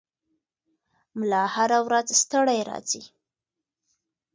ملا هره ورځ ستړی راځي.